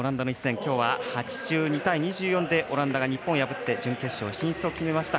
きょうは、８２対２４でオランダが日本を破って準決勝進出を決めました。